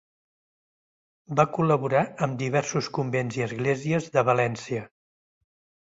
Va col·laborar amb diversos convents i esglésies de València.